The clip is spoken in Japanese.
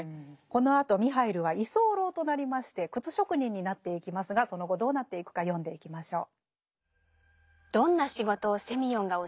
このあとミハイルは居候となりまして靴職人になっていきますがその後どうなっていくか読んでいきましょう。